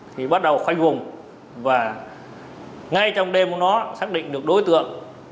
thì bắt đầu khoanh vùng và ngay trong đêm nó xác định được đối tượng